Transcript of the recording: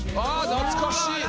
「懐かしい」